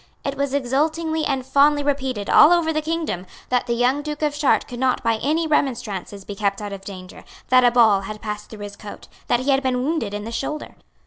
It was exultingly and fondly repeated all over the kingdom that the young Duke of Chartres could not by any remonstrances be kept out of danger, that a ball had passed through his coat that he had been wounded in the shoulder.